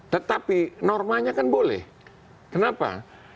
tetapi normanya kan boleh kenapa